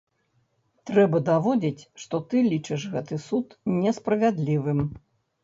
Трэба даводзіць, што ты лічыш гэты суд несправядлівым.